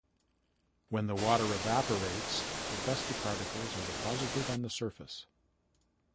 When the water evaporates, the dusty particles are deposited on the surface.